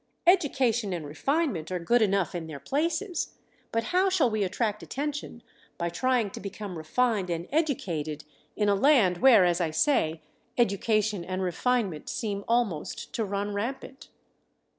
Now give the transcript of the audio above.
Education and refinement are good enough in their places, but how shall we attract attention by trying to become refined and educated in a land where, as I say, education and refinement seem almost to run rampant.